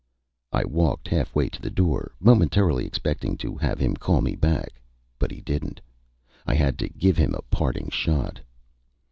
I walked half way to the door, momentarily expecting to have him call me back; but he didn't. I had to give him a parting shot.